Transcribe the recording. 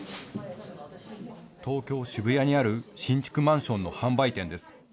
東京・渋谷にある新築マンションの販売店です。